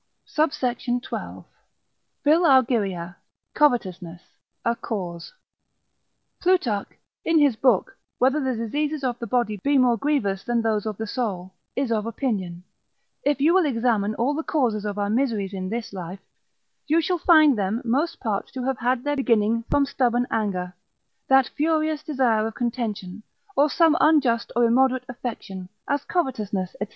SUBSECT. XII.—Φιλαργυρία, Covetousness, a Cause. Plutarch, in his book whether the diseases of the body be more grievous than those of the soul, is of opinion, if you will examine all the causes of our miseries in this life, you shall find them most part to have had their beginning from stubborn anger, that furious desire of contention, or some unjust or immoderate affection, as covetousness, &c.